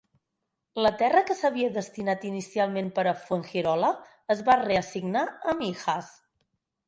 La terra que s'havia destinat inicialment per a Fuengirola es va reassignar a Mijas.